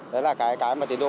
đó là cái tiến độ